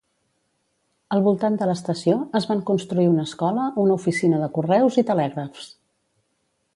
Al voltant de l'estació, es van construir una escola, una oficina de correus i telègrafs.